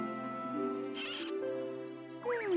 うん。